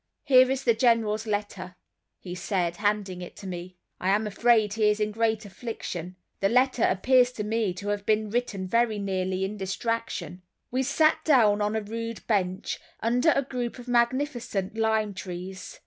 "Here is the General's letter," he said, handing it to me. "I am afraid he is in great affliction; the letter appears to me to have been written very nearly in distraction." We sat down on a rude bench, under a group of magnificent lime trees.